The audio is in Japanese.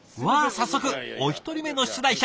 早速お一人目の出題者。